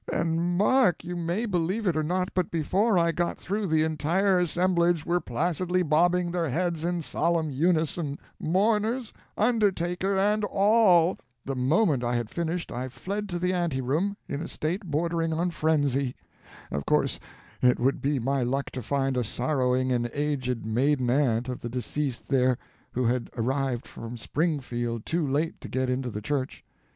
And, Mark, you may believe it or not, but before I got through the entire assemblage were placidly bobbing their heads in solemn unison, mourners, undertaker, and all. The moment I had finished, I fled to the anteroom in a state bordering on frenzy. Of course it would be my luck to find a sorrowing and aged maiden aunt of the deceased there, who had arrived from Springfield too late to get into the church.